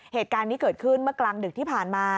เหตุการณ์นี้เกิดขึ้นเมื่อกลางดึกที่ผ่านมา